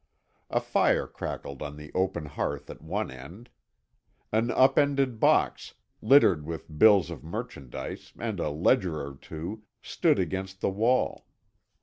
A fire crackled on the open hearth at one end. An upended box, littered with bills of merchandise and a ledger or two, stood against the wall.